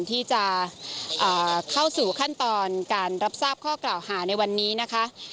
ที่จะเข้าสู่ขั้นตอนการรับทราบข้อกล่าวหาในวันนี้นะคะ